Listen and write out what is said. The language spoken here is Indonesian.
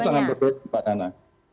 sangat berbeda pak nana